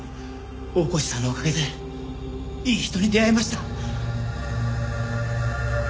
大河内さんのおかげでいい人に出会えました！